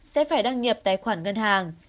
sẽ phải đăng nhập tài khoản ngân hàng